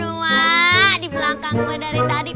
aduh ma di belakang gue dari tadi